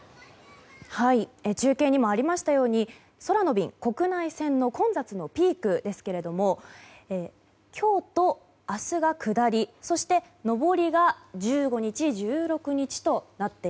中継にもありましたように空の便、国内線の混雑のピークですけども今日と明日が下り、そして上りが１５日、１６日です。